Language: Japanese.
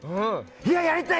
いや、やりたい！